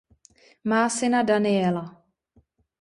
Má syna Daniela.